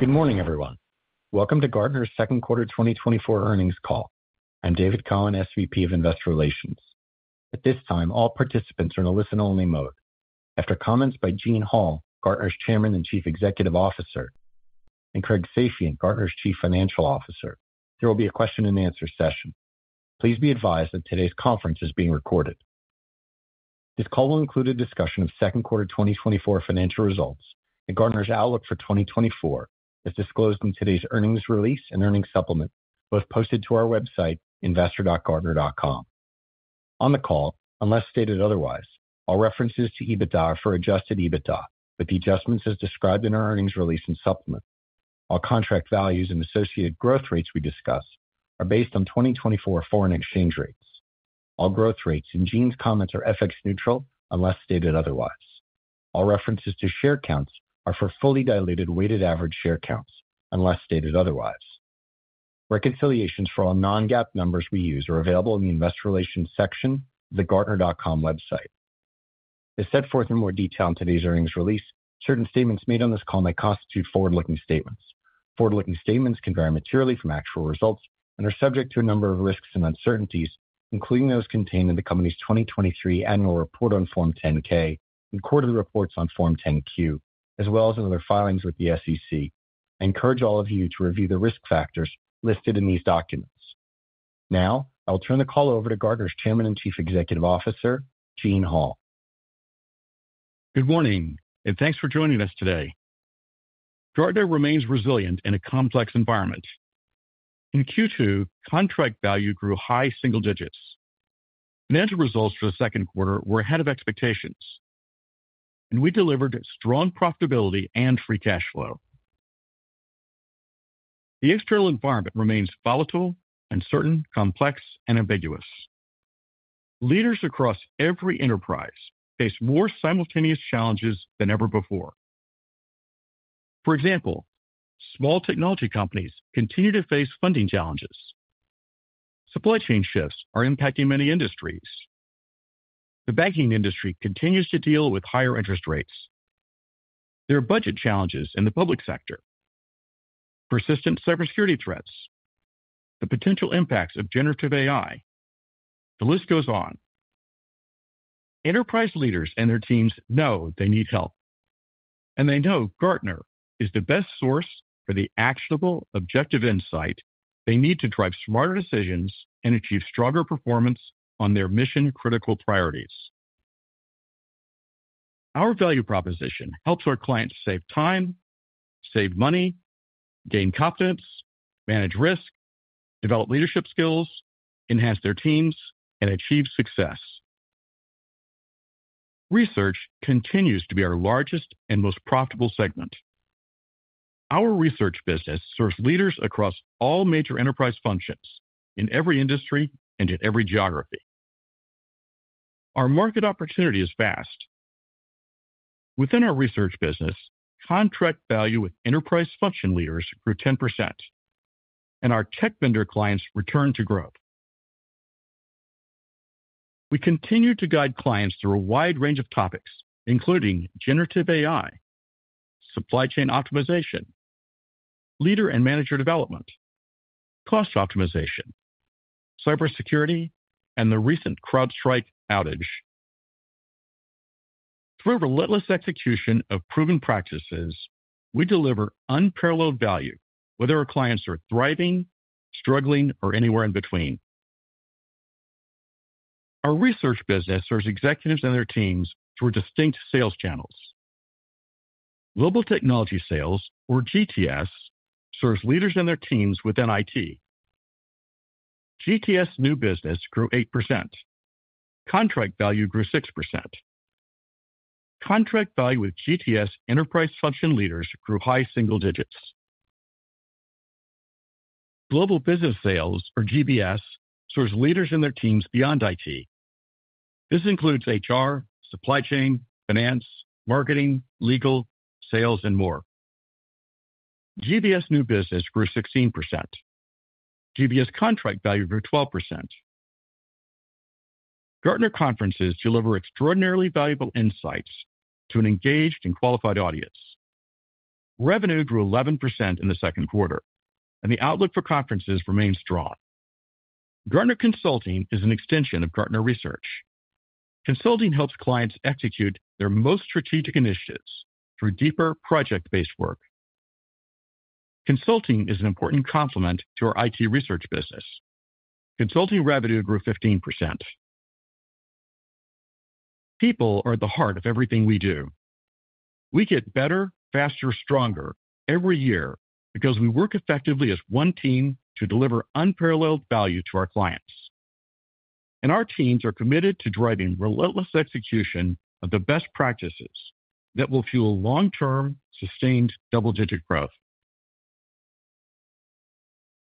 Good morning, everyone. Welcome to Gartner's second quarter 2024 earnings call. I'm David Cohen, SVP of Investor Relations. At this time, all participants are in a listen-only mode. After comments by Gene Hall, Gartner's Chairman and Chief Executive Officer, and Craig Safian, Gartner's Chief Financial Officer, there will be a question-and-answer session. Please be advised that today's conference is being recorded. This call will include a discussion of second quarter 2024 financial results and Gartner's outlook for 2024, as disclosed in today's earnings release and earnings supplement, both posted to our website, investor.gartner.com. On the call, unless stated otherwise, all references to EBITDA are for adjusted EBITDA, with the adjustments as described in our earnings release and supplement. All contract values and associated growth rates we discuss are based on 2024 foreign exchange rates. All growth rates in Gene's comments are FX neutral, unless stated otherwise. All references to share counts are for fully diluted weighted average share counts, unless stated otherwise. Reconciliations for all non-GAAP numbers we use are available in the Investor Relations section of the Gartner.com website. As set forth in more detail in today's earnings release, certain statements made on this call may constitute forward-looking statements. Forward-looking statements can vary materially from actual results and are subject to a number of risks and uncertainties, including those contained in the company's 2023 Annual Report on Form 10-K and quarterly reports on Form 10-Q, as well as in other filings with the SEC. I encourage all of you to review the risk factors listed in these documents. Now, I will turn the call over to Gartner's Chairman and Chief Executive Officer, Gene Hall. Good morning, and thanks for joining us today. Gartner remains resilient in a complex environment. In Q2, contract value grew high single digits. Financial results for the second quarter were ahead of expectations, and we delivered strong profitability and free cash flow. The external environment remains volatile, uncertain, complex and ambiguous. Leaders across every enterprise face more simultaneous challenges than ever before. For example, small technology companies continue to face funding challenges. Supply chain shifts are impacting many industries. The banking industry continues to deal with higher interest rates. There are budget challenges in the public sector, persistent cybersecurity threats, the potential impacts of generative AI, the list goes on. Enterprise leaders and their teams know they need help, and they know Gartner is the best source for the actionable, objective insight they need to drive smarter decisions and achieve stronger performance on their mission-critical priorities. Our value proposition helps our clients save time, save money, gain confidence, manage risk, develop leadership skills, enhance their teams and achieve success. Research continues to be our largest and most profitable segment. Our research business serves leaders across all major enterprise functions, in every industry and in every geography. Our market opportunity is vast. Within our research business, contract value with enterprise function leaders grew 10%, and our tech vendor clients returned to growth. We continue to guide clients through a wide range of topics, including Generative AI, supply chain optimization, leader and manager development, cost optimization, cybersecurity, and the recent CrowdStrike outage. Through relentless execution of proven practices, we deliver unparalleled value, whether our clients are thriving, struggling, or anywhere in between. Our research business serves executives and their teams through distinct sales channels. Global Technology Sales, or GTS, serves leaders and their teams within IT. GTS new business grew 8%. Contract value grew 6%. Contract value with GTS enterprise function leaders grew high single digits. Global business sales, or GBS, serves leaders and their teams beyond IT. This includes HR, supply chain, finance, marketing, legal, sales, and more. GBS new business grew 16%. GBS contract value grew 12%. Gartner Conferences deliver extraordinarily valuable insights to an engaged and qualified audience. Revenue grew 11% in the second quarter, and the outlook for conferences remains strong. Gartner Consulting is an extension of Gartner Research. Consulting helps clients execute their most strategic initiatives through deeper project-based work. Consulting is an important complement to our IT research business. Consulting revenue grew 15%. People are at the heart of everything we do. We get better, faster, stronger every year because we work effectively as one team to deliver unparalleled value to our clients. Our teams are committed to driving relentless execution of the best practices that will fuel long-term, sustained double-digit growth.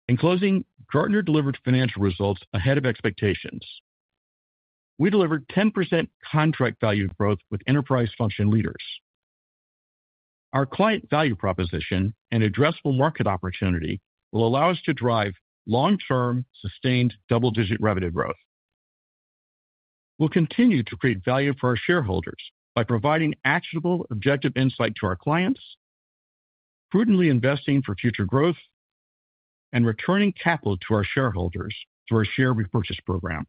In closing, Gartner delivered financial results ahead of expectations. We delivered 10% contract value growth with enterprise function leaders. Our client value proposition and addressable market opportunity will allow us to drive long-term, sustained double-digit revenue growth....We'll continue to create value for our shareholders by providing actionable, objective insight to our clients, prudently investing for future growth, and returning capital to our shareholders through our share repurchase program.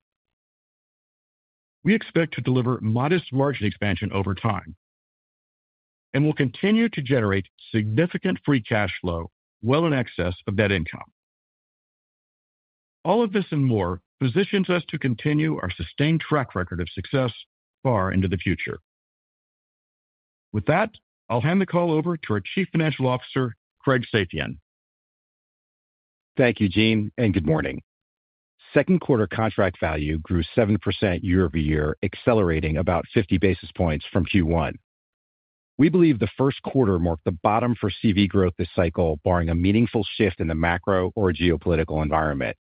We expect to deliver modest margin expansion over time, and we'll continue to generate significant free cash flow well in excess of net income. All of this and more positions us to continue our sustained track record of success far into the future. With that, I'll hand the call over to our Chief Financial Officer, Craig Safian. Thank you, Gene, and good morning. Second quarter contract value grew 7% year-over-year, accelerating about 50 basis points from Q1. We believe the first quarter marked the bottom for CV growth this cycle, barring a meaningful shift in the macro or geopolitical environment.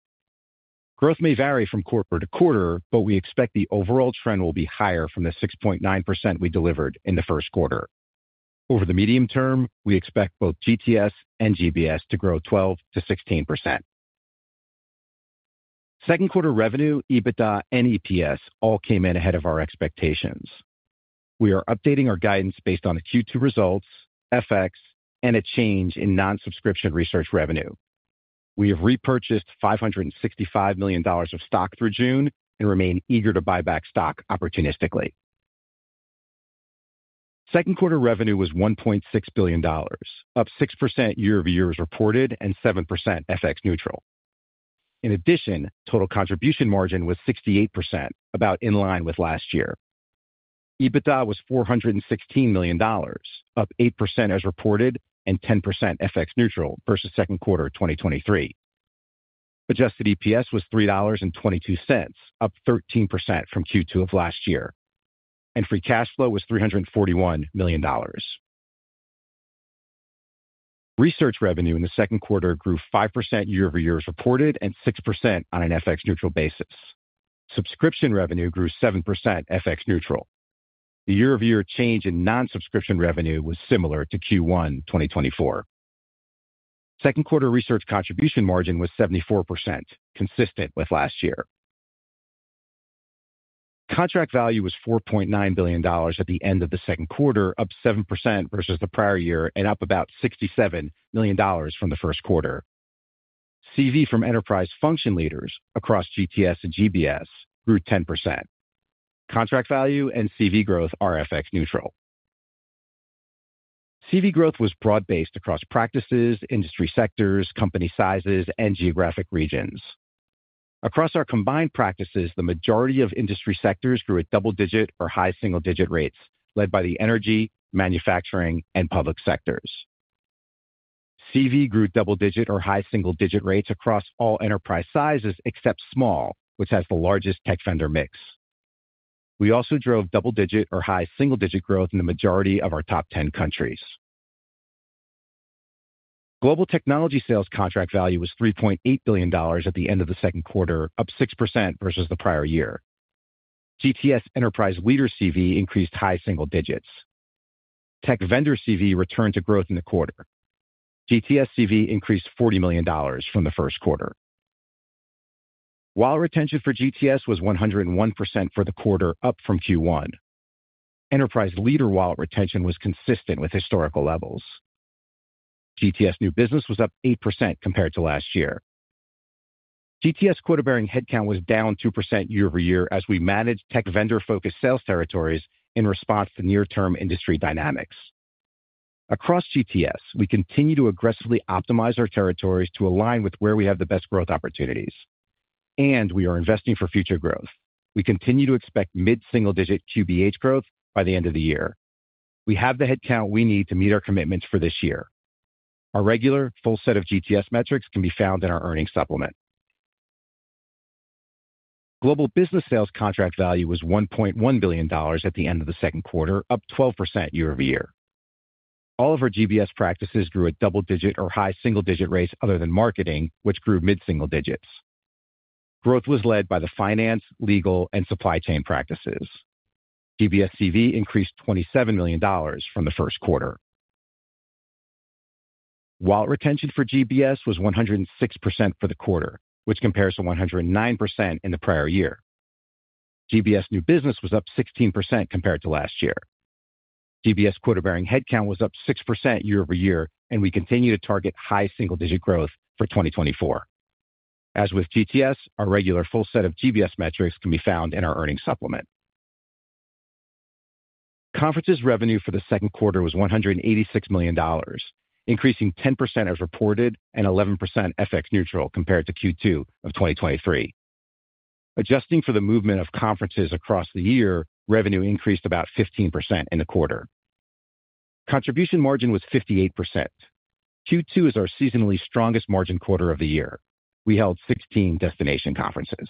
Growth may vary from quarter to quarter, but we expect the overall trend will be higher from the 6.9% we delivered in the first quarter. Over the medium term, we expect both GTS and GBS to grow 12%-16%. Second quarter revenue, EBITDA, and EPS all came in ahead of our expectations. We are updating our guidance based on the Q2 results, FX, and a change in non-subscription research revenue. We have repurchased $565 million of stock through June and remain eager to buy back stock opportunistically. Second quarter revenue was $1.6 billion, up 6% year-over-year as reported, and 7% FX neutral. In addition, total contribution margin was 68%, about in line with last year. EBITDA was $416 million, up 8% as reported, and 10% FX neutral versus second quarter of 2023. Adjusted EPS was $3.22, up 13% from Q2 of last year, and free cash flow was $341 million. Research revenue in the second quarter grew 5% year-over-year as reported, and 6% on an FX neutral basis. Subscription revenue grew 7% FX neutral. The year-over-year change in non-subscription revenue was similar to Q1 2024. Second quarter research contribution margin was 74%, consistent with last year. Contract value was $4.9 billion at the end of the second quarter, up 7% versus the prior year and up about $67 million from the first quarter. CV from enterprise function leaders across GTS and GBS grew 10%. Contract value and CV growth are FX neutral. CV growth was broad-based across practices, industry sectors, company sizes, and geographic regions. Across our combined practices, the majority of industry sectors grew at double-digit or high single-digit rates, led by the energy, manufacturing, and public sectors. CV grew double-digit or high single-digit rates across all enterprise sizes except small, which has the largest tech vendor mix. We also drove double-digit or high single-digit growth in the majority of our top 10 countries. Global technology sales contract value was $3.8 billion at the end of the second quarter, up 6% versus the prior year. GTS enterprise leader CV increased high single digits. Tech vendor CV returned to growth in the quarter. GTS CV increased $40 million from the first quarter, while retention for GTS was 101% for the quarter, up from Q1. Enterprise leader wallet retention was consistent with historical levels. GTS new business was up 8% compared to last year. GTS quota-bearing headcount was down 2% year-over-year as we managed tech vendor-focused sales territories in response to near-term industry dynamics. Across GTS, we continue to aggressively optimize our territories to align with where we have the best growth opportunities, and we are investing for future growth. We continue to expect mid-single-digit QBH growth by the end of the year. We have the headcount we need to meet our commitments for this year. Our regular full set of GTS metrics can be found in our earnings supplement. Global business sales contract value was $1.1 billion at the end of the second quarter, up 12% year-over-year. All of our GBS practices grew at double-digit or high single-digit rates other than marketing, which grew mid-single digits. Growth was led by the finance, legal, and supply chain practices. GBS CV increased $27 million from the first quarter. Wallet retention for GBS was 106% for the quarter, which compares to 109% in the prior year. GBS new business was up 16% compared to last year. GBS quota-bearing headcount was up 6% year-over-year, and we continue to target high single-digit growth for 2024. As with GTS, our regular full set of GBS metrics can be found in our earnings supplement. Conferences revenue for the second quarter was $186 million, increasing 10% as reported and 11% FX neutral compared to Q2 of 2023. Adjusting for the movement of conferences across the year, revenue increased about 15% in the quarter. Contribution margin was 58%. Q2 is our seasonally strongest margin quarter of the year. We held 16 destination conferences.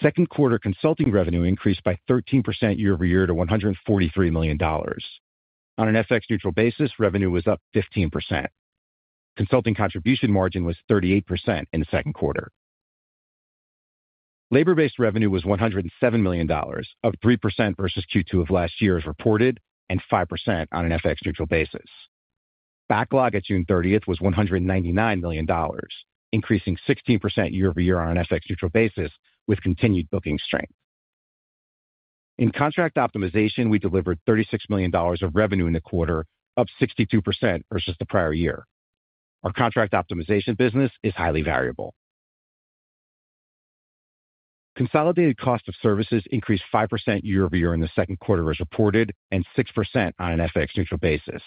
Second quarter consulting revenue increased by 13% year-over-year to $143 million. On an FX neutral basis, revenue was up 15%. Consulting contribution margin was 38% in the second quarter. Labor-based revenue was $107 million, up 3% versus Q2 of last year as reported, and 5% on an FX-neutral basis. Backlog at June 30 was $199 million, increasing 16% year-over-year on an FX-neutral basis with continued booking strength. In contract optimization, we delivered $36 million of revenue in the quarter, up 62% versus the prior year. Our contract optimization business is highly variable. Consolidated cost of services increased 5% year-over-year in the second quarter as reported, and 6% on an FX-neutral basis.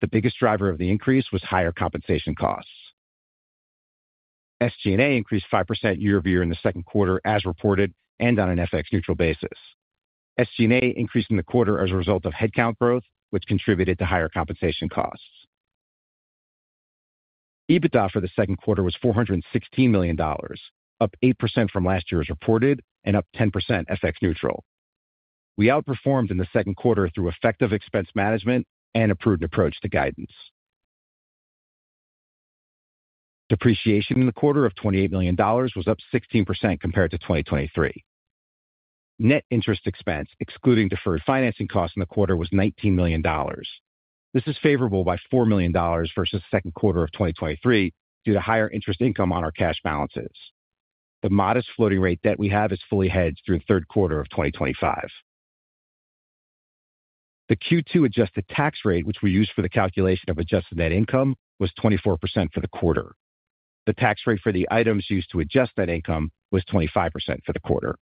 The biggest driver of the increase was higher compensation costs. SG&A increased 5% year-over-year in the second quarter as reported and on an FX-neutral basis. SG&A increased in the quarter as a result of headcount growth, which contributed to higher compensation costs. EBITDA for the second quarter was $416 million, up 8% from last year as reported, and up 10% FX neutral. We outperformed in the second quarter through effective expense management and a prudent approach to guidance. Depreciation in the quarter of $28 million was up 16% compared to 2023. Net interest expense, excluding deferred financing costs in the quarter, was $19 million. This is favorable by $4 million versus the second quarter of 2023 due to higher interest income on our cash balances. The modest floating rate debt we have is fully hedged through the third quarter of 2025. The Q2 adjusted tax rate, which we use for the calculation of adjusted net income, was 24% for the quarter. The tax rate for the items used to adjust net income was 25% for the quarter.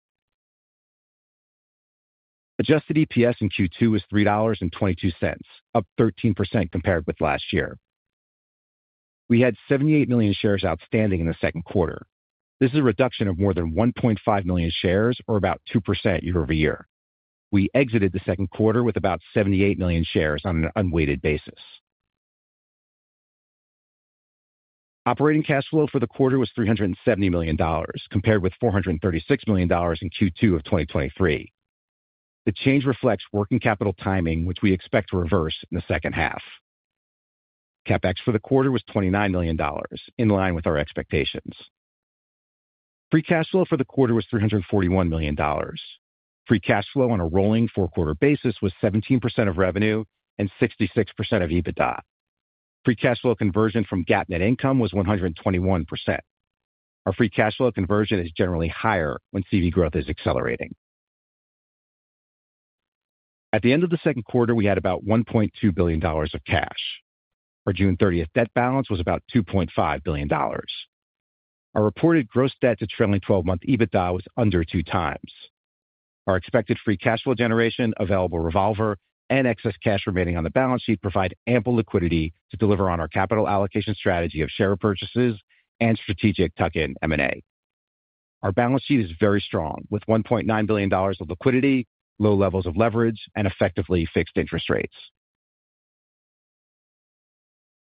Adjusted EPS in Q2 was $3.22, up 13% compared with last year. We had 78 million shares outstanding in the second quarter. This is a reduction of more than 1.5 million shares, or about 2% year-over-year. We exited the second quarter with about 78 million shares on an unweighted basis. Operating cash flow for the quarter was $370 million, compared with $436 million in Q2 of 2023. The change reflects working capital timing, which we expect to reverse in the second half. CapEx for the quarter was $29 million, in line with our expectations. Free cash flow for the quarter was $341 million. Free cash flow on a rolling four-quarter basis was 17% of revenue and 66% of EBITDA. Free cash flow conversion from GAAP net income was 121%. Our free cash flow conversion is generally higher when CV growth is accelerating. At the end of the second quarter, we had about $1.2 billion of cash. Our June 30 debt balance was about $2.5 billion. Our reported gross debt to trailing twelve-month EBITDA was under 2x. Our expected free cash flow generation, available revolver, and excess cash remaining on the balance sheet provide ample liquidity to deliver on our capital allocation strategy of share purchases and strategic tuck-in M&A. Our balance sheet is very strong, with $1.9 billion of liquidity, low levels of leverage, and effectively fixed interest rates.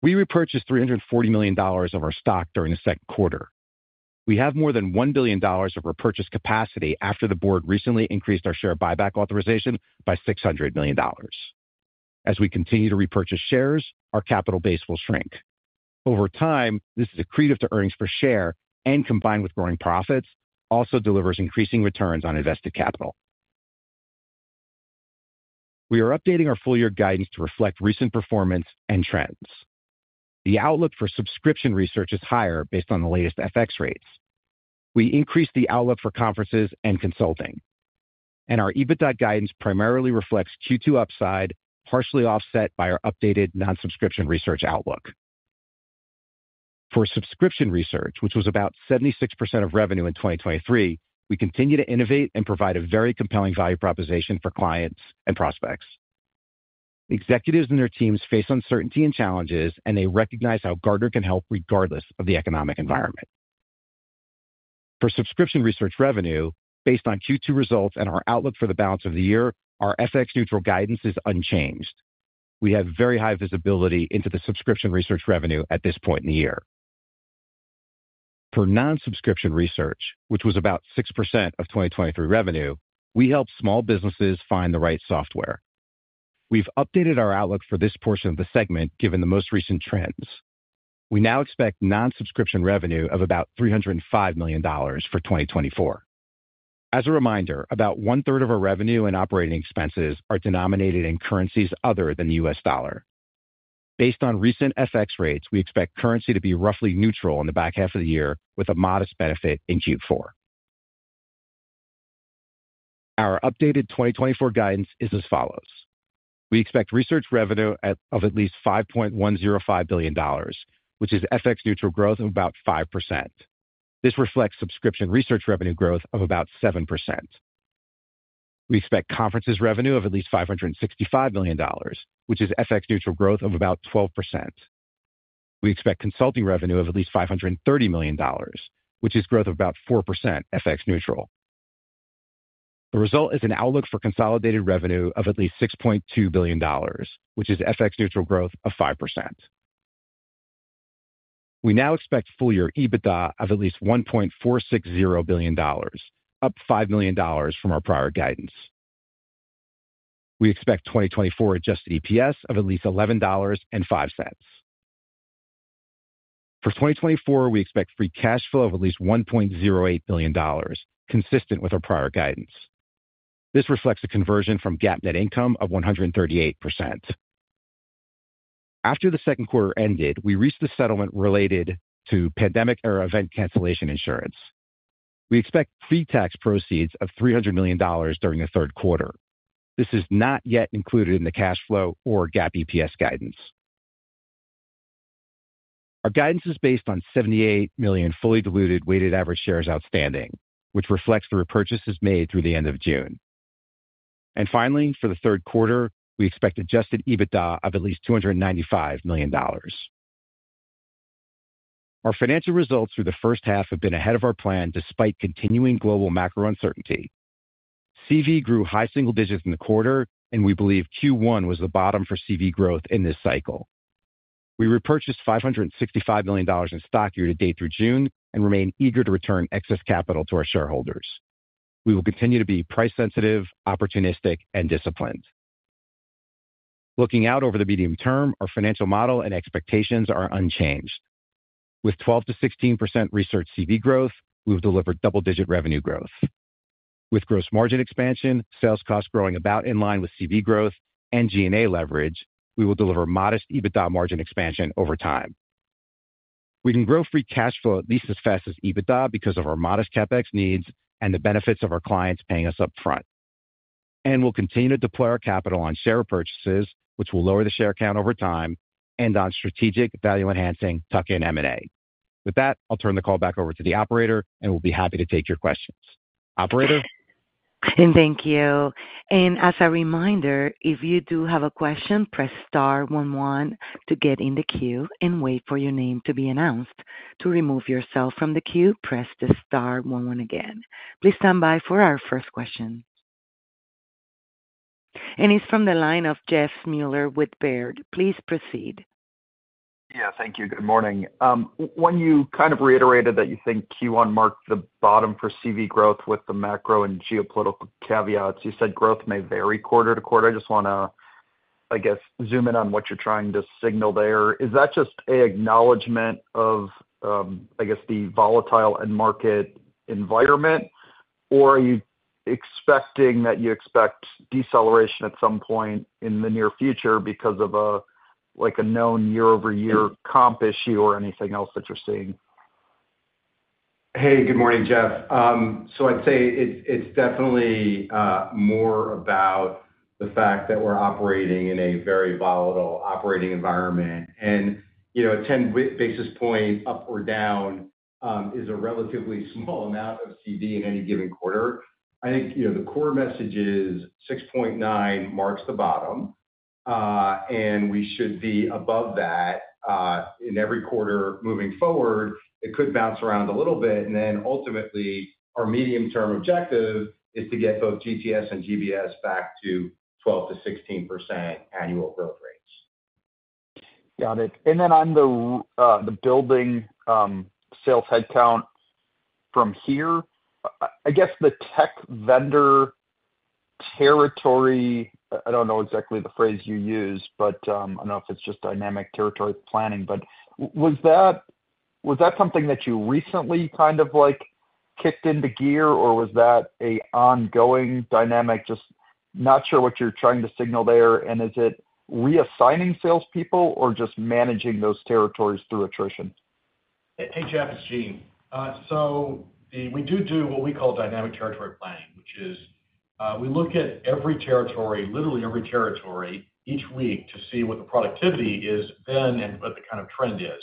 We repurchased $340 million of our stock during the second quarter. We have more than $1 billion of repurchase capacity after the board recently increased our share buyback authorization by $600 million. As we continue to repurchase shares, our capital base will shrink. Over time, this is accretive to earnings per share, and combined with growing profits, also delivers increasing returns on invested capital. We are updating our full-year guidance to reflect recent performance and trends. The outlook for subscription research is higher based on the latest FX rates. We increased the outlook for conferences and consulting, and our EBITDA guidance primarily reflects Q2 upside, partially offset by our updated non-subscription research outlook. For subscription research, which was about 76% of revenue in 2023, we continue to innovate and provide a very compelling value proposition for clients and prospects. Executives and their teams face uncertainty and challenges, and they recognize how Gartner can help regardless of the economic environment. For subscription research revenue, based on Q2 results and our outlook for the balance of the year, our FX Neutral guidance is unchanged. We have very high visibility into the subscription research revenue at this point in the year. For non-subscription research, which was about 6% of 2023 revenue, we helped small businesses find the right software. We've updated our outlook for this portion of the segment, given the most recent trends. We now expect non-subscription revenue of about $305 million for 2024. As a reminder, about one-third of our revenue and operating expenses are denominated in currencies other than the U.S. dollar. Based on recent FX rates, we expect currency to be roughly neutral in the back half of the year, with a modest benefit in Q4. Our updated 2024 guidance is as follows: We expect research revenue of at least $5.105 billion, which is FX neutral growth of about 5%. This reflects subscription research revenue growth of about 7%. We expect conferences revenue of at least $565 million, which is FX neutral growth of about 12%. We expect consulting revenue of at least $530 million, which is growth of about 4% FX neutral. The result is an outlook for consolidated revenue of at least $6.2 billion, which is FX neutral growth of 5%. We now expect full-year EBITDA of at least $1.460 billion, up $5 million from our prior guidance. We expect 2024 adjusted EPS of at least $11.05.... For 2024, we expect free cash flow of at least $1.08 billion, consistent with our prior guidance. This reflects a conversion from GAAP net income of 138%. After the second quarter ended, we reached the settlement related to pandemic-era event cancellation insurance. We expect net tax proceeds of $300 million during the third quarter. This is not yet included in the cash flow or GAAP EPS guidance. Our guidance is based on 78 million fully diluted weighted average shares outstanding, which reflects the repurchases made through the end of June. And finally, for the third quarter, we expect adjusted EBITDA of at least $295 million. Our financial results through the first half have been ahead of our plan, despite continuing global macro uncertainty. CV grew high single digits in the quarter, and we believe Q1 was the bottom for CV growth in this cycle. We repurchased $565 million in stock year-to-date through June and remain eager to return excess capital to our shareholders. We will continue to be price sensitive, opportunistic, and disciplined. Looking out over the medium term, our financial model and expectations are unchanged. With 12%-16% research CV growth, we've delivered double-digit revenue growth. With gross margin expansion, sales costs growing about in line with CV growth and SG&A leverage, we will deliver modest EBITDA margin expansion over time. We can grow free cash flow at least as fast as EBITDA because of our modest CapEx needs and the benefits of our clients paying us upfront. We'll continue to deploy our capital on share repurchases, which will lower the share count over time, and on strategic value-enhancing tuck-in M&A. With that, I'll turn the call back over to the operator, and we'll be happy to take your questions. Operator? Thank you. As a reminder, if you do have a question, press star one one to get in the queue and wait for your name to be announced. To remove yourself from the queue, press the star one one again. Please stand by for our first question. It's from the line of Jeffrey Meuler with Baird. Please proceed. Yeah, thank you. Good morning. When you kind of reiterated that you think Q1 marked the bottom for CV growth with the macro and geopolitical caveats, you said growth may vary quarter to quarter. I just wanna, I guess, zoom in on what you're trying to signal there. Is that just an acknowledgment of, I guess, the volatile end market environment? Or are you expecting that you expect deceleration at some point in the near future because of a, like, a known year-over-year comp issue or anything else that you're seeing? Hey, good morning, Jeff. So I'd say it's definitely more about the fact that we're operating in a very volatile operating environment. And, you know, 10 basis points up or down is a relatively small amount of CV in any given quarter. I think, you know, the core message is 6.9 marks the bottom, and we should be above that in every quarter moving forward. It could bounce around a little bit, and then ultimately, our medium-term objective is to get both GTS and GBS back to 12%-16% annual growth rates. Got it. And then on the building sales headcount from here, I guess the tech vendor territory. I don't know exactly the phrase you used, but I don't know if it's just dynamic territory planning, but was that something that you recently kind of, like, kicked into gear, or was that a ongoing dynamic? Just not sure what you're trying to signal there. And is it reassigning salespeople or just managing those territories through attrition? Hey, Jeff, it's Gene. So we do do what we call dynamic territory planning, which is, we look at every territory, literally every territory, each week to see what the productivity is then and what the kind of trend is.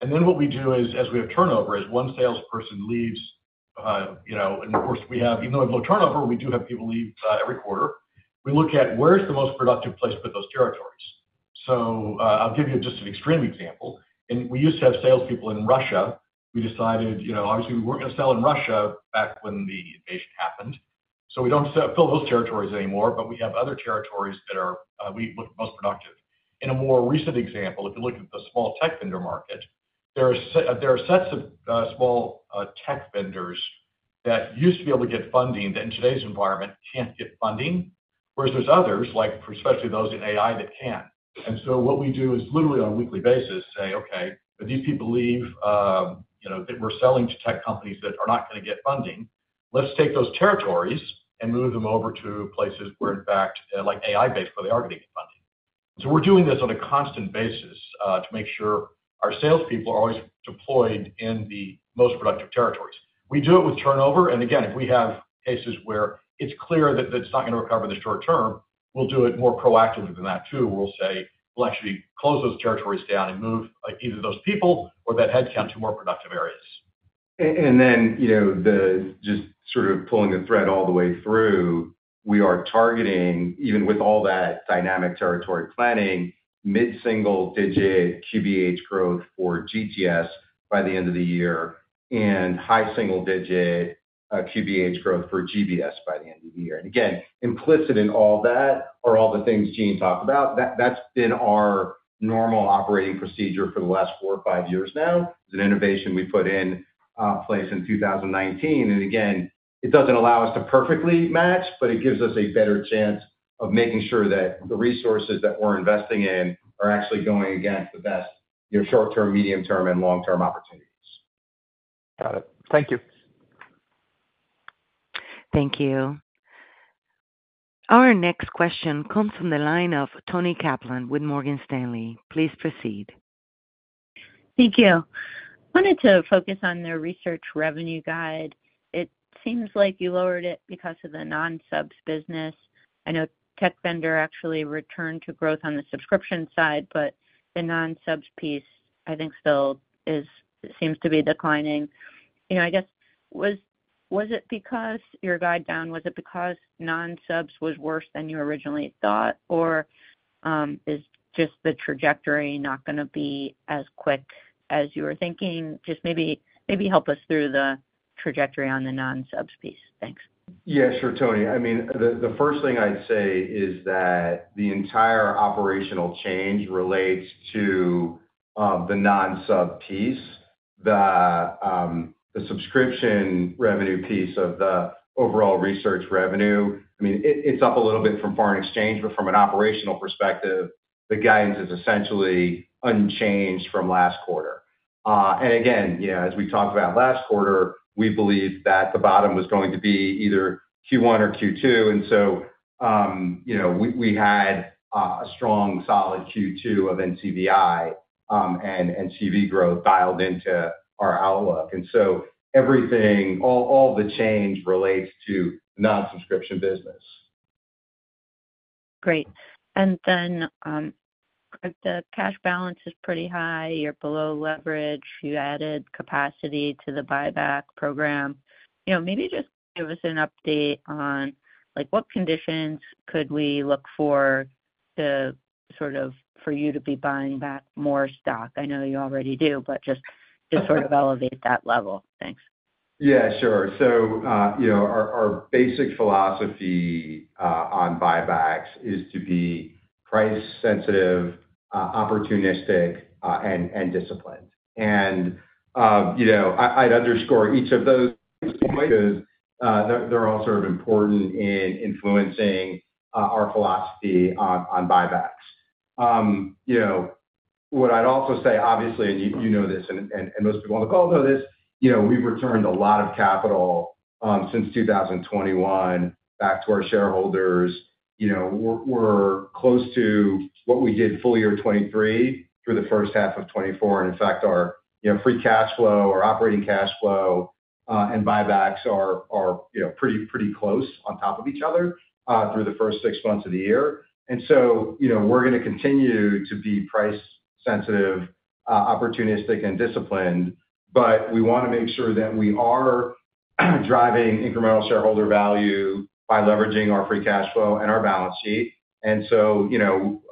And then what we do is, as we have turnover, is one salesperson leaves, you know, and of course, we have, even though we have low turnover, we do have people leave, every quarter. We look at where's the most productive place for those territories. So, I'll give you just an extreme example, and we used to have salespeople in Russia. We decided, you know, obviously we weren't going to sell in Russia back when the invasion happened, so we don't fill those territories anymore, but we have other territories that are, we look most productive. In a more recent example, if you look at the small tech vendor market, there are sets of small tech vendors that used to be able to get funding, but in today's environment, can't get funding. Whereas there's others, like, for especially those in AI, that can. And so what we do is literally on a weekly basis, say, "Okay, if these people leave, you know, that we're selling to tech companies that are not gonna get funding, let's take those territories and move them over to places where, in fact, like AI-based, where they are getting funding." So we're doing this on a constant basis, to make sure our salespeople are always deployed in the most productive territories. We do it with turnover, and again, if we have cases where it's clear that it's not going to recover in the short term, we'll do it more proactively than that, too. We'll say, "We'll actually close those territories down and move, like, either those people or that headcount to more productive areas." And then, you know, the just sort of pulling the thread all the way through, we are targeting, even with all that dynamic territory planning, mid-single digit QBH growth for GTS by the end of the year, and high single digit QBH growth for GBS by the end of the year. And again, implicit in all that are all the things Gene talked about. That's been our normal operating procedure for the last four or five years now. It's an innovation we put in place in 2019, and again, it doesn't allow us to perfectly match, but it gives us a better chance.... of making sure that the resources that we're investing in are actually going against the best, your short-term, medium-term, and long-term opportunities. Got it. Thank you. Thank you. Our next question comes from the line of Toni Kaplan with Morgan Stanley. Please proceed. Thank you. Wanted to focus on the research revenue guide. It seems like you lowered it because of the non-subs business. I know tech vendor actually returned to growth on the subscription side, but the non-subs piece, I think, still is, seems to be declining. You know, I guess, was it because your guide down, was it because non-subs was worse than you originally thought? Or, is just the trajectory not gonna be as quick as you were thinking? Just maybe help us through the trajectory on the non-subs piece. Thanks. Yeah, sure, Toni. I mean, the first thing I'd say is that the entire operational change relates to the non-sub piece. The subscription revenue piece of the overall research revenue, I mean, it's up a little bit from foreign exchange, but from an operational perspective, the guidance is essentially unchanged from last quarter. And again, you know, as we talked about last quarter, we believed that the bottom was going to be either Q1 or Q2, and so, you know, we had a strong, solid Q2 of NCVI, and CV growth dialed into our outlook. And so everything, all the change relates to non-subscription business. Great. Then, the cash balance is pretty high. You're below leverage. You added capacity to the buyback program. You know, maybe just give us an update on, like, what conditions could we look for to sort of, for you to be buying back more stock? I know you already do, but just to sort of elevate that level. Thanks. Yeah, sure. So, you know, our basic philosophy on buybacks is to be price sensitive, opportunistic, and disciplined. And, you know, I'd underscore each of those points. They're all sort of important in influencing our philosophy on buybacks. You know, what I'd also say, obviously, and you know this, and most people on the call know this. You know, we've returned a lot of capital since 2021 back to our shareholders. You know, we're close to what we did full year 2023 through the first half of 2024. And in fact, our free cash flow, our operating cash flow, and buybacks are pretty close on top of each other through the first six months of the year. And so, you know, we're gonna continue to be price sensitive, opportunistic, and disciplined, but we wanna make sure that we are driving incremental shareholder value by leveraging our free cash flow and our balance sheet. And so, you know,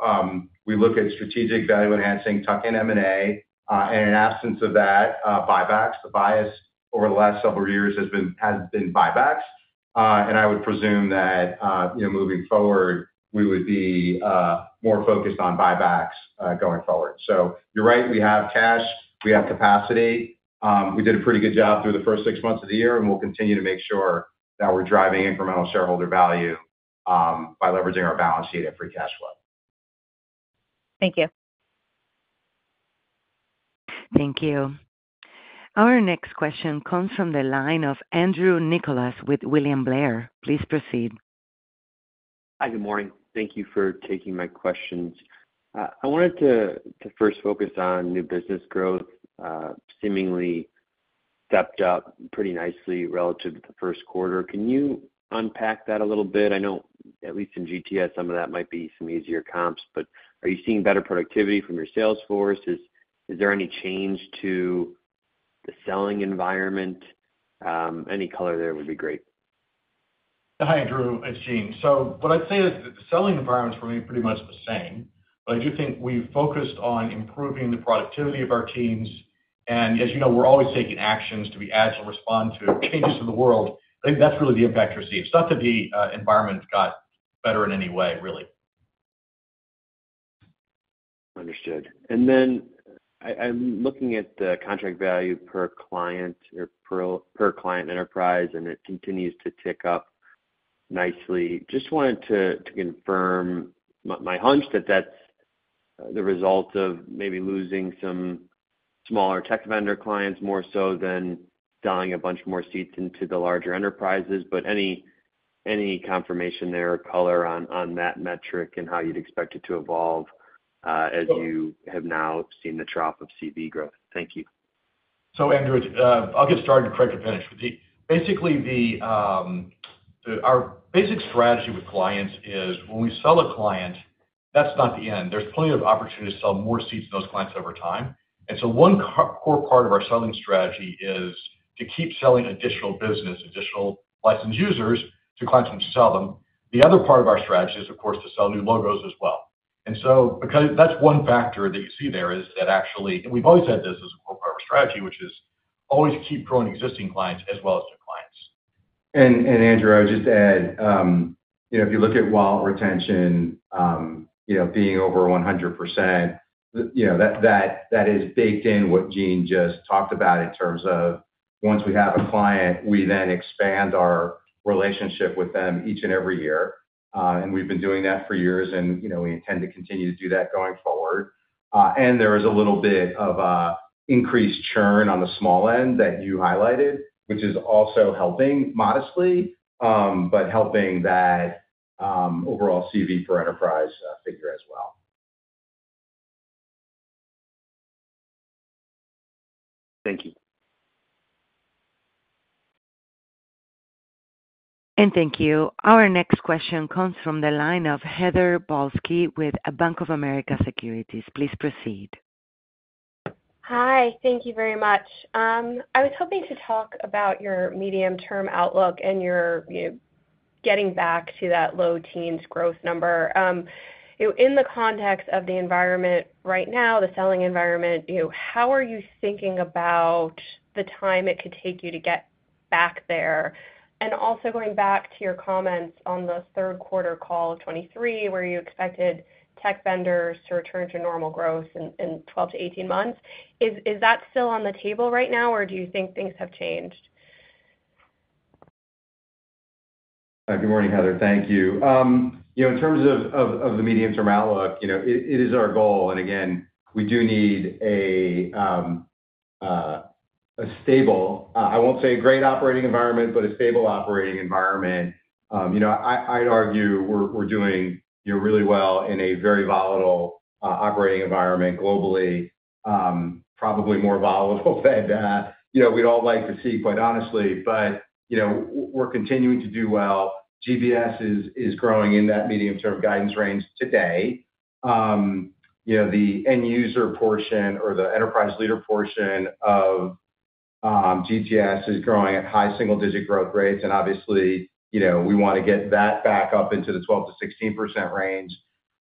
we look at strategic value-enhancing tuck-in M&A, and in absence of that, buybacks. The bias over the last several years has been buybacks. And I would presume that, you know, moving forward, we would be more focused on buybacks, going forward. So you're right, we have cash, we have capacity. We did a pretty good job through the first six months of the year, and we'll continue to make sure that we're driving incremental shareholder value by leveraging our balance sheet and free cash flow. Thank you. Thank you. Our next question comes from the line of Andrew Nicholas with William Blair. Please proceed. Hi, good morning. Thank you for taking my questions. I wanted to first focus on new business growth, seemingly stepped up pretty nicely relative to the first quarter. Can you unpack that a little bit? I know at least in GTS, some of that might be some easier comps, but are you seeing better productivity from your sales force? Is there any change to the selling environment? Any color there would be great. Hi, Andrew, it's Gene. So what I'd say is that the selling environment is really pretty much the same, but I do think we've focused on improving the productivity of our teams, and as you know, we're always taking actions to be agile and respond to changes in the world. I think that's really the effect you're seeing. It's not that the environment got better in any way, really. Understood. And then I, I'm looking at the contract value per client or per client enterprise, and it continues to tick up nicely. Just wanted to confirm my hunch that that's the result of maybe losing some smaller tech vendor clients, more so than dialing a bunch more seats into the larger enterprises, but any confirmation there or color on that metric and how you'd expect it to evolve as you have now seen the trough of CV growth? Thank you. So, Andrew, I'll get started, and Craig can finish. But our basic strategy with clients is when we sell a client, that's not the end. There's plenty of opportunity to sell more seats to those clients over time. And so one core part of our selling strategy is to keep selling additional business, additional licensed users to clients, and sell them. The other part of our strategy is, of course, to sell new logos as well. And so because that's one factor that you see there, is that actually, and we've always had this as a core part of our strategy, which is always keep growing existing clients as well as new clients. And Andrew, I would just add, you know, if you look at wallet retention, you know, being over 100%, you know, that is baked in what Gene just talked about in terms of once we have a client, we then expand our relationship with them each and every year. And we've been doing that for years, and, you know, we intend to continue to do that going forward. And there is a little bit of a increased churn on the small end that you highlighted, which is also helping modestly, but helping that overall CV for enterprise figure as well. Thank you. Thank you. Our next question comes from the line of Heather Balsky with Bank of America Securities. Please proceed. Hi, thank you very much. I was hoping to talk about your medium-term outlook and you getting back to that low teens growth number. You know, in the context of the environment right now, the selling environment, you know, how are you thinking about the time it could take you to get back there? And also going back to your comments on the third quarter call, 2023, where you expected tech vendors to return to normal growth in 12-18 months. Is that still on the table right now, or do you think things have changed? Hi, good morning, Heather. Thank you. You know, in terms of the medium-term outlook, you know, it is our goal. And again, we do need a stable, I won't say a great operating environment, but a stable operating environment. You know, I'd argue we're doing, you know, really well in a very volatile operating environment globally. Probably more volatile than you know, we'd all like to see, quite honestly, but you know, we're continuing to do well. GBS is growing in that medium-term guidance range today. You know, the end user portion or the enterprise leader portion of GTS is growing at high single digit growth rates, and obviously, you know, we wanna get that back up into the 12%-16% range.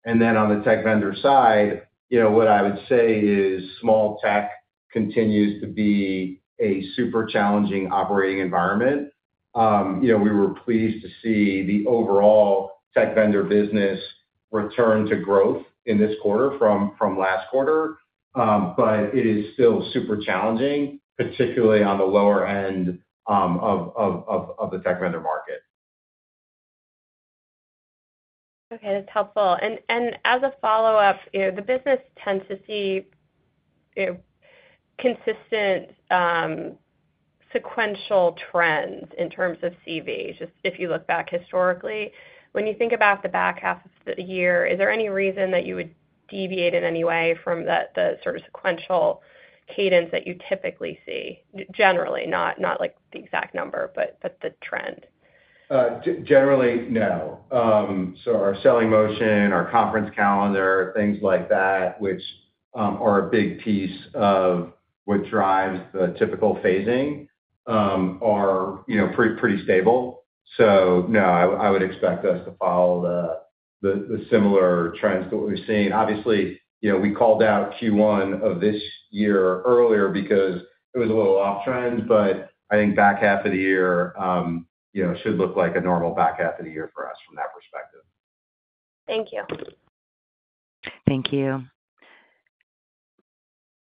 And then on the tech vendor side, you know, what I would say is small tech continues to be a super challenging operating environment. You know, we were pleased to see the overall tech vendor business return to growth in this quarter from last quarter, but it is still super challenging, particularly on the lower end of the tech vendor market. Okay, that's helpful. And, and as a follow-up, you know, the business tends to see, you know, consistent sequential trends in terms of CV, just if you look back historically. When you think about the back half of the year, is there any reason that you would deviate in any way from the, the sort of sequential cadence that you typically see? Generally, not, not like the exact number, but, but the trend. Generally, no. So our selling motion, our conference calendar, things like that, which are a big piece of what drives the typical phasing, are, you know, pretty stable. So no, I would expect us to follow the similar trends to what we've seen. Obviously, you know, we called out Q1 of this year earlier because it was a little off trend, but I think back half of the year, you know, should look like a normal back half of the year for us from that perspective. Thank you. Thank you.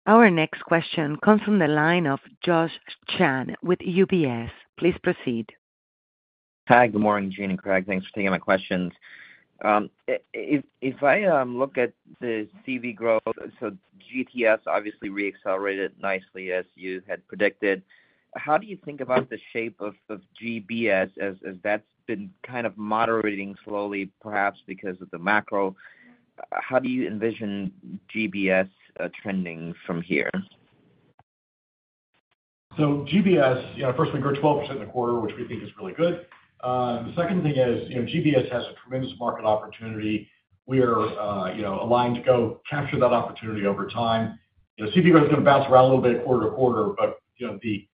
Our next question comes from the line of Joshua Chan with UBS. Please proceed. Hi, good morning, Gene and Craig. Thanks for taking my questions. If I look at the CV growth, so GTS obviously re-accelerated nicely, as you had predicted. How do you think about the shape of GBS as that's been kind of moderating slowly, perhaps because of the macro? How do you envision GBS trending from here? So GBS, you know, first we grew 12% in the quarter, which we think is really good. The second thing is, you know, GBS has a tremendous market opportunity. We are, you know, aligned to go capture that opportunity over time. You know, CV growth is gonna bounce around a little bit quarter to quarter, but, you know, the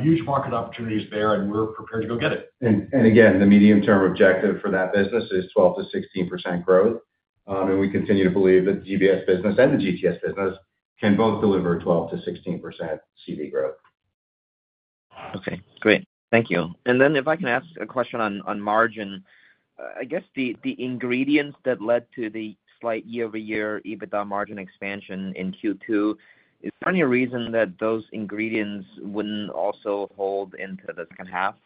huge market opportunity is there, and we're prepared to go get it. And again, the medium-term objective for that business is 12%-16% growth. And we continue to believe that the GBS business and the GTS business can both deliver 12%-16% CV growth. Okay, great. Thank you. Then if I can ask a question on margin. I guess the ingredients that led to the slight year-over-year EBITDA margin expansion in Q2, is there any reason that those ingredients wouldn't also hold into the second half?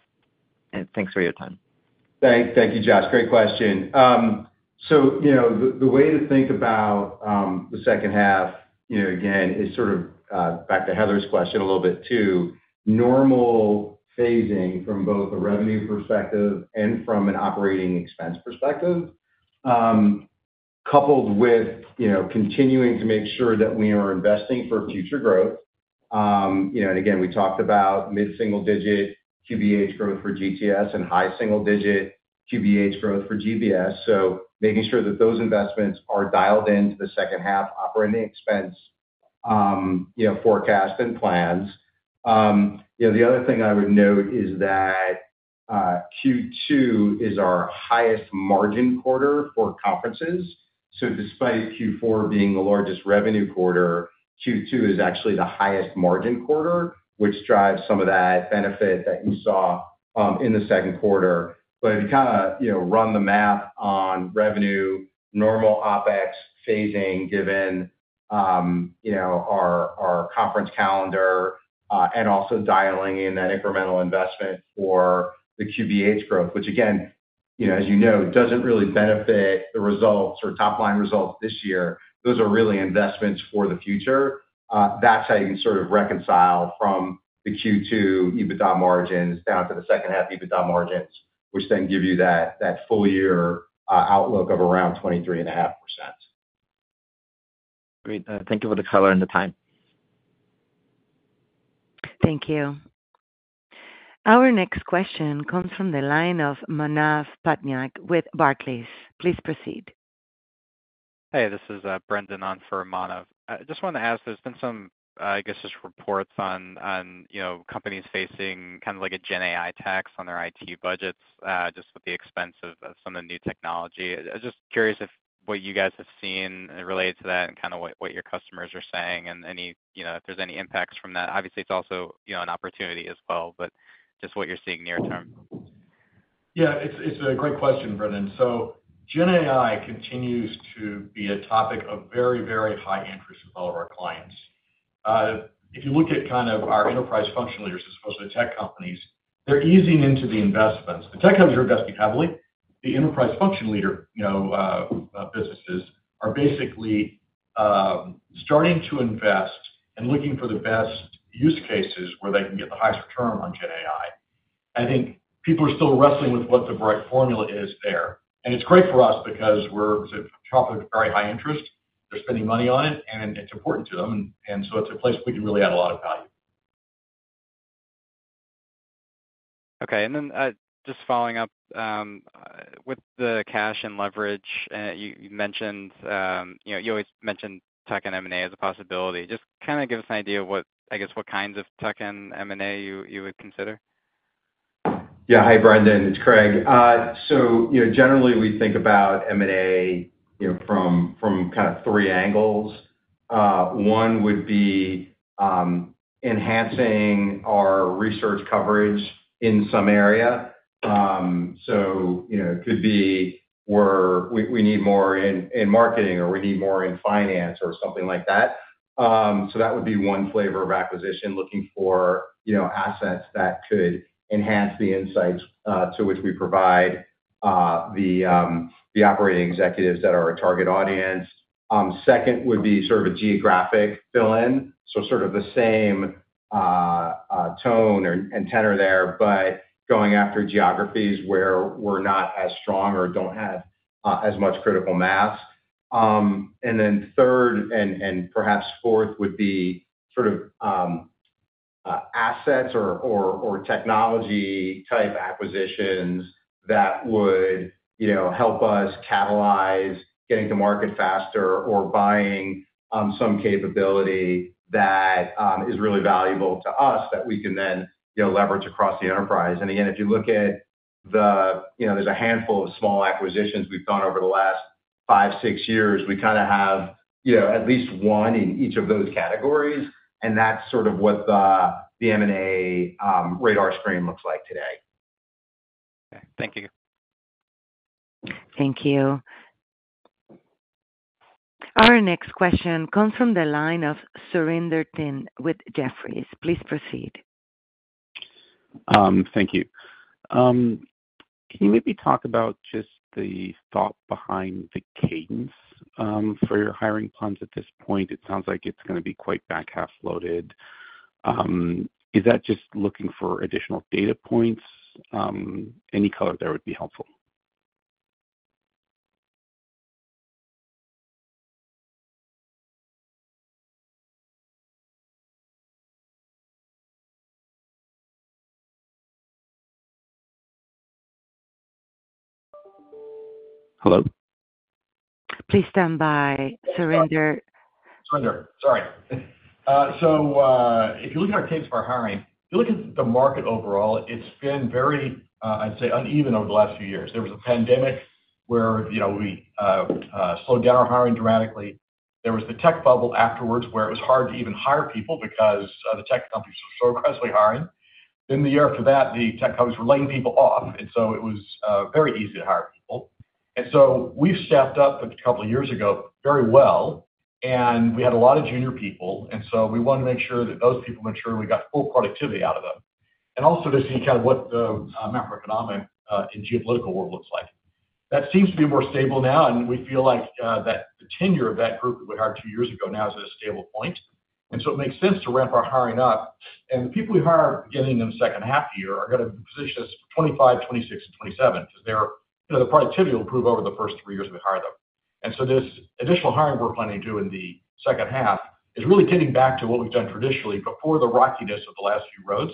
And thanks for your time. Thank you, Josh. Great question. So you know, the way to think about the second half, you know, again, is sort of back to Heather's question a little bit too. Normal phasing from both a revenue perspective and from an operating expense perspective, coupled with, you know, continuing to make sure that we are investing for future growth. You know, and again, we talked about mid-single digit QBH growth for GTS and high single digit QBH growth for GBS. So making sure that those investments are dialed into the second half operating expense, you know, forecast and plans. You know, the other thing I would note is that Q2 is our highest margin quarter for conferences. So despite Q4 being the largest revenue quarter, Q2 is actually the highest margin quarter, which drives some of that benefit that you saw, in the second quarter. But if you kinda, you know, run the math on revenue, normal OpEx phasing, you know, our, our conference calendar, and also dialing in that incremental investment for the QBH growth, which again, you know, as you know, doesn't really benefit the results or top line results this year. Those are really investments for the future. That's how you can sort of reconcile from the Q2 EBITDA margins down to the second half EBITDA margins, which then give you that, that full year, outlook of around 23.5%. Great. Thank you for the color and the time. Thank you. Our next question comes from the line of Manav Patnaik with Barclays. Please proceed. Hey, this is Brendan on for Manav. I just wanted to ask, there's been some, I guess, just reports on, you know, companies facing kind of like a Gen AI tax on their IT budgets, just with the expense of some of the new technology. I'm just curious if what you guys have seen related to that and kind of what your customers are saying and any, you know, if there's any impacts from that. Obviously, it's also, you know, an opportunity as well, but just what you're seeing near term. Yeah, it's, it's a great question, Brendan. So Gen AI continues to be a topic of very, very high interest with all of our clients. If you look at kind of our enterprise function leaders, especially tech companies, they're easing into the investments. The tech companies are investing heavily. The enterprise function leader, you know, businesses are basically starting to invest and looking for the best use cases where they can get the highest return on Gen AI. I think people are still wrestling with what the right formula is there, and it's great for us because we're a topic of very high interest. They're spending money on it, and it's important to them, and, and so it's a place we can really add a lot of value. Okay. And then, just following up, with the cash and leverage, you mentioned, you know, you always mention tech and M&A as a possibility. Just kind of give us an idea of what, I guess, what kinds of tech and M&A you would consider? Yeah. Hi, Brendan, it's Craig. So, you know, generally we think about M&A, you know, from kind of three angles. One would be enhancing our research coverage in some area. So, you know, it could be we're we need more in marketing or we need more in finance or something like that. So that would be one flavor of acquisition, looking for, you know, assets that could enhance the insights to which we provide the operating executives that are our target audience. Second would be sort of a geographic fill-in, so sort of the same tone and tenor there, but going after geographies where we're not as strong or don't have as much critical mass. And then third and perhaps fourth would be sort of assets or technology-type acquisitions that would, you know, help us catalyze getting to market faster or buying some capability that is really valuable to us that we can then, you know, leverage across the enterprise. And again, if you look at the... You know, there's a handful of small acquisitions we've done over the last five, six years. We kind of have, you know, at least one in each of those categories, and that's sort of what the M&A radar screen looks like today. Okay. Thank you. Thank you. Our next question comes from the line of Surinder Thind with Jefferies. Please proceed. Thank you. Can you maybe talk about just the thought behind the cadence for your hiring plans at this point? It sounds like it's gonna be quite back half loaded. Is that just looking for additional data points? Any color there would be helpful. Hello? Please stand by, Surinder. Surinder, sorry. So, if you look at our cadence for hiring, if you look at the market overall, it's been very, I'd say, uneven over the last few years. There was a pandemic where, you know, we slowed down our hiring dramatically. There was the tech bubble afterwards, where it was hard to even hire people because the tech companies were so aggressively hiring. Then the year after that, the tech companies were laying people off, and so it was very easy to hire people. And so we've staffed up a couple of years ago very well, and we had a lot of junior people, and so we wanted to make sure that those people mature, and we got full productivity out of them. And also to see kind of what the macroeconomic and geopolitical world looks like. That seems to be more stable now, and we feel like that the tenure of that group that we hired two years ago now is at a stable point. And so it makes sense to ramp our hiring up. And the people we hire, getting them second half year, are gonna position us for 2025, 2026 and 2027, because they're, you know, the productivity will improve over the first three years we hire them. And so this additional hiring we're planning to do in the second half is really getting back to what we've done traditionally before the rockiness of the last few roads,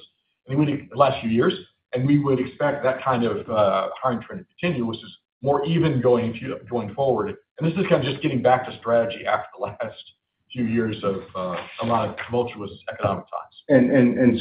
I mean, the last few years. And we would expect that kind of hiring trend to continue, which is more even going forward. This is kind of just getting back to strategy after the last few years of a lot of tumultuous economic times.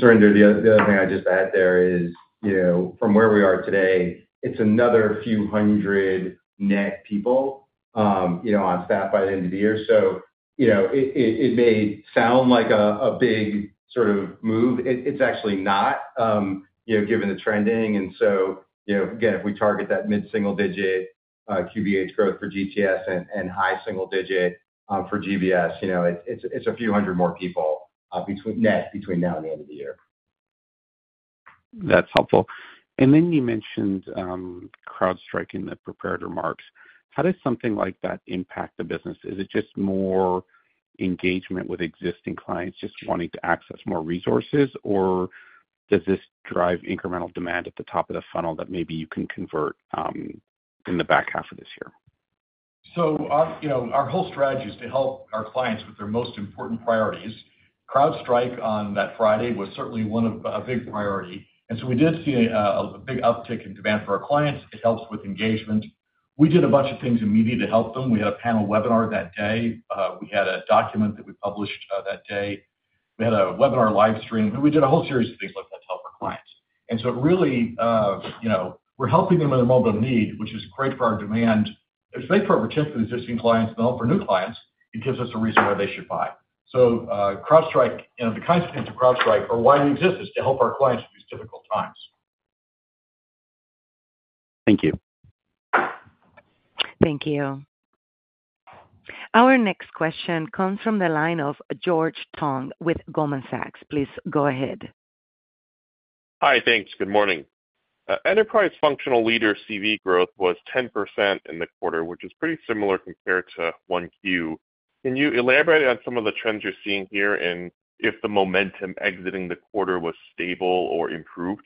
Surinder, the other thing I'd just add there is, you know, from where we are today, it's another few hundred net people, you know, on staff by the end of the year. So, you know, it may sound like a big sort of move. It's actually not, you know, given the trending, and so, you know, again, if we target that mid-single digit QBH growth for GTS and high single digit for GBS, you know, it's a few hundred more people between now and the end of the year.... That's helpful. And then you mentioned, CrowdStrike in the prepared remarks. How does something like that impact the business? Is it just more engagement with existing clients just wanting to access more resources? Or does this drive incremental demand at the top of the funnel that maybe you can convert, in the back half of this year? So, you know, our whole strategy is to help our clients with their most important priorities. CrowdStrike on that Friday was certainly one of a big priority, and so we did see a big uptick in demand for our clients. It helps with engagement. We did a bunch of things in media to help them. We had a panel webinar that day. We had a document that we published that day. We had a webinar live stream, and we did a whole series of things like that to help our clients. And so it really, you know, we're helping them in the moment of need, which is great for our demand. It's great for our retention existing clients, and for new clients, it gives us a reason why they should buy. CrowdStrike, you know, the kinds of things of CrowdStrike or why we exist, is to help our clients through these difficult times. Thank you. Thank you. Our next question comes from the line of George Tong with Goldman Sachs. Please go ahead. Hi, thanks. Good morning. Enterprise functional leader CV growth was 10% in the quarter, which is pretty similar compared to 1Q. Can you elaborate on some of the trends you're seeing here, and if the momentum exiting the quarter was stable or improved?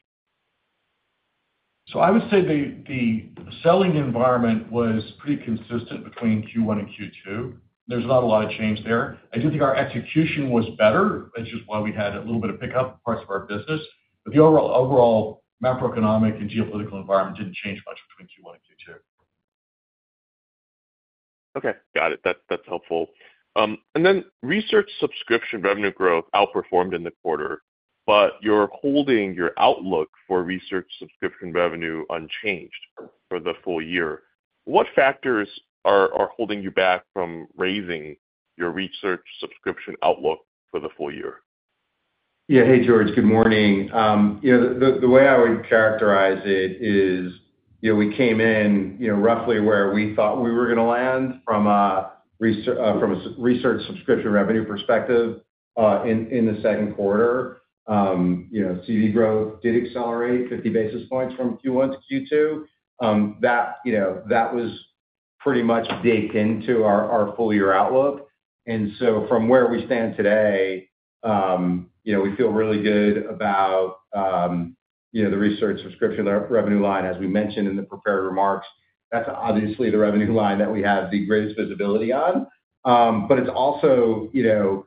So I would say the selling environment was pretty consistent between Q1 and Q2. There's not a lot of change there. I do think our execution was better, which is why we had a little bit of pickup in parts of our business. But the overall macroeconomic and geopolitical environment didn't change much between Q1 and Q2. Okay, got it. That's helpful. And then research subscription revenue growth outperformed in the quarter, but you're holding your outlook for research subscription revenue unchanged for the full year. What factors are holding you back from raising your research subscription outlook for the full year? Yeah. Hey, George, good morning. You know, the way I would characterize it is, you know, we came in, you know, roughly where we thought we were going to land from a research subscription revenue perspective, in the second quarter. You know, CV growth did accelerate 50 basis points from Q1 to Q2. You know, that was pretty much baked into our full year outlook. And so from where we stand today, you know, we feel really good about, you know, the research subscription revenue line. As we mentioned in the prepared remarks, that's obviously the revenue line that we have the greatest visibility on. But it's also, you know,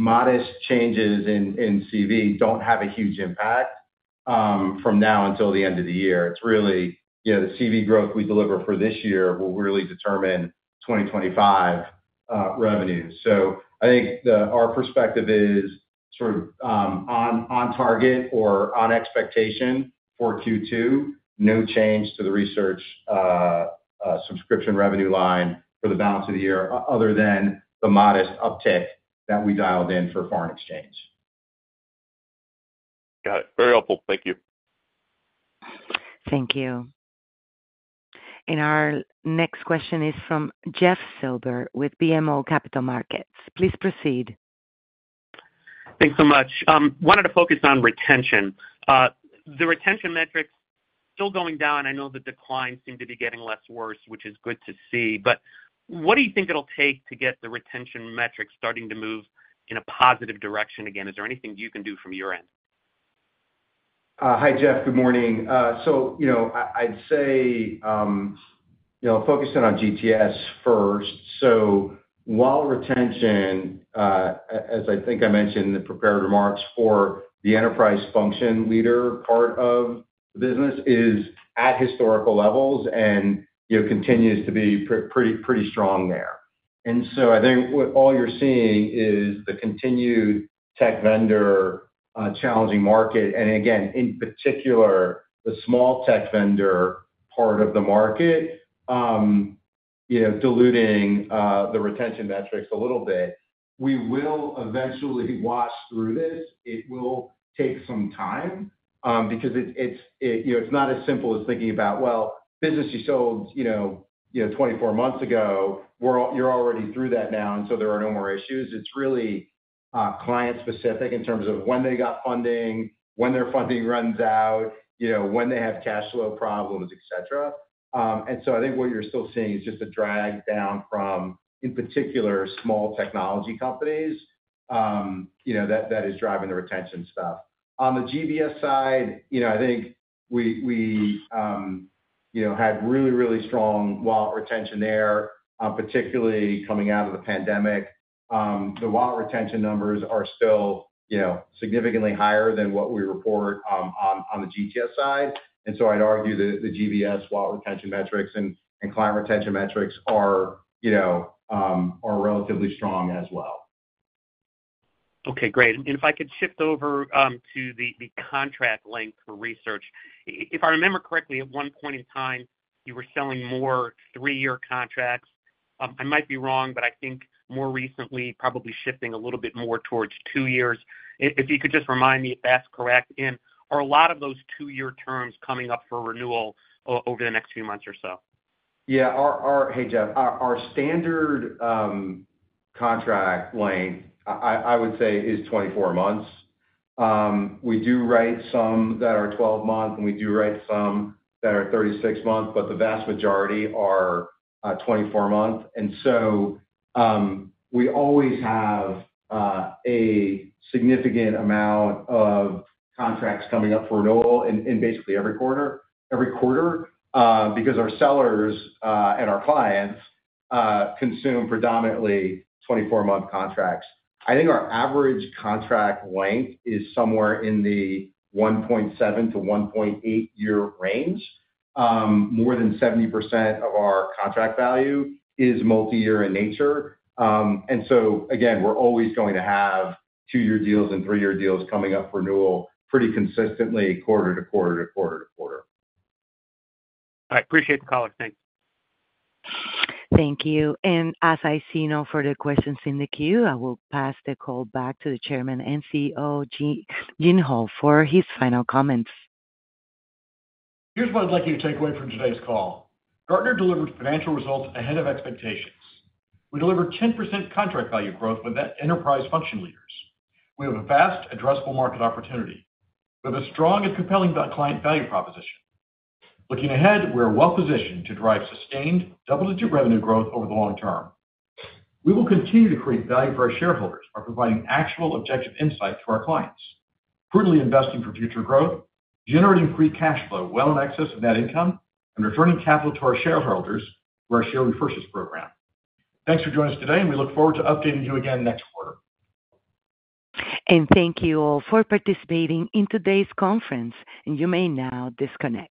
modest changes in CV don't have a huge impact, from now until the end of the year. It's really, you know, the CV growth we deliver for this year will really determine 2025 revenues. So I think our perspective is sort of on target or on expectation for Q2, no change to the research subscription revenue line for the balance of the year, other than the modest uptick that we dialed in for foreign exchange. Got it. Very helpful. Thank you. Thank you. Our next question is from Jeffrey Silber, with BMO Capital Markets. Please proceed. Thanks so much. Wanted to focus on retention. The retention metrics still going down, I know the declines seem to be getting less worse, which is good to see, but what do you think it'll take to get the retention metrics starting to move in a positive direction again? Is there anything you can do from your end? Hi, Jeff. Good morning. So, you know, I'd say, you know, focusing on GTS first. So while retention, as I think I mentioned in the prepared remarks for the enterprise function leader part of the business, is at historical levels and, you know, continues to be pretty, pretty strong there. And so I think what all you're seeing is the continued tech vendor challenging market, and again, in particular, the small tech vendor part of the market, you know, diluting the retention metrics a little bit. We will eventually wash through this. It will take some time, because it's, you know, it's not as simple as thinking about, well, business you sold, you know, 24 months ago, you're already through that now, and so there are no more issues. It's really, client-specific in terms of when they got funding, when their funding runs out, you know, when they have cash flow problems, et cetera. And so I think what you're still seeing is just a drag down from, in particular, small technology companies, you know, that is driving the retention stuff. On the GBS side, you know, I think we had really, really strong wallet retention there, particularly coming out of the pandemic. The wallet retention numbers are still, you know, significantly higher than what we report on the GTS side. And so I'd argue that the GBS wallet retention metrics and client retention metrics are, you know, are relatively strong as well. Okay, great. And if I could shift over to the contract length for research. If I remember correctly, at one point in time, you were selling more three-year contracts. I might be wrong, but I think more recently, probably shifting a little bit more towards two years. If you could just remind me if that's correct, and are a lot of those two-year terms coming up for renewal over the next few months or so?... Yeah, our standard contract length, I would say is 24 months. We do write some that are 12 months, and we do write some that are 36 months, but the vast majority are 24 months. And so, we always have a significant amount of contracts coming up for renewal in basically every quarter because our sellers and our clients consume predominantly 24-month contracts. I think our average contract length is somewhere in the 1.7-1.8-year range. More than 70% of our contract value is multiyear in nature. And so again, we're always going to have two-year deals and three-year deals coming up for renewal pretty consistently quarter to quarter. I appreciate the call. Thanks. Thank you. As I see no further questions in the queue, I will pass the call back to the Chairman and CEO, Gene, Gene Hall, for his final comments. Here's what I'd like you to take away from today's call. Gartner delivered financial results ahead of expectations. We delivered 10% contract value growth with that enterprise function leaders. We have a vast addressable market opportunity. We have a strong and compelling client value proposition. Looking ahead, we are well-positioned to drive sustained double-digit revenue growth over the long term. We will continue to create value for our shareholders by providing actionable objective insight to our clients, prudently investing for future growth, generating free cash flow well in excess of net income, and returning capital to our shareholders through our share repurchase program. Thanks for joining us today, and we look forward to updating you again next quarter. Thank you all for participating in today's conference, and you may now disconnect.